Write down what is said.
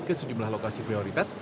ke sejumlah lokasi prioritas